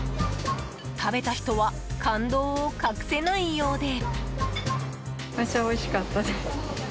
食べた人は感動を隠せないようで。